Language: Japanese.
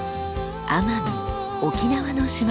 奄美・沖縄の島々。